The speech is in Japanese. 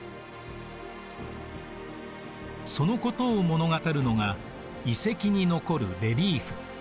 そのことを物語るのが遺跡に残るレリーフ。